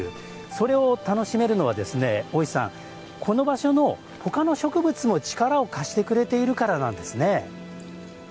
それを楽しめるのはですね大石さん、この場所の他の植物も力を貸してくれているからはい。